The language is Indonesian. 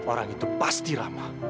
orang itu pasti rama